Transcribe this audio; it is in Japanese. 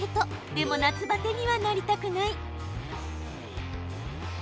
でも夏バテにはなりたくない。